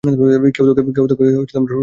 কেউ তোকে রোজগার করতে বলেনি।